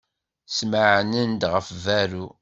Smeɛnen-d ɣef berru.